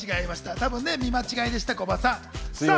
多分、見間違いでした、コバさん。